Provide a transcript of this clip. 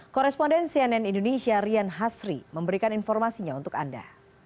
koresponden cnn indonesia rian hasri memberikan informasinya untuk anda